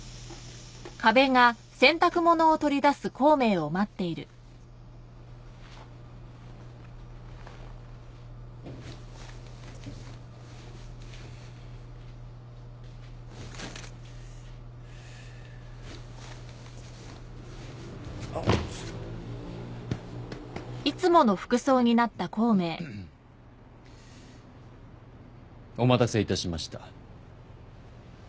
お待たせいたしました。